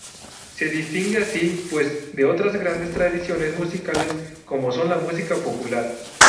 Se distingue así pues de otras grandes tradiciones musicales como son la música popular.